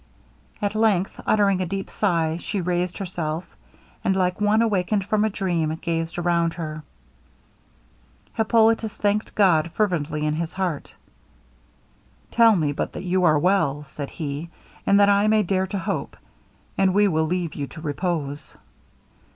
At length uttering a deep sigh, she raised herself, and, like one awakened from a dream, gazed around her. Hippolitus thanked God fervently in his heart. 'Tell me but that you are well,' said he, 'and that I may dare to hope, and we will leave you to repose.'